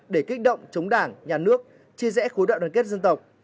để kích động chống đảng nhà nước chia rẽ khối đại đoàn kết dân tộc